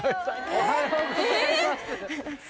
おはようございます。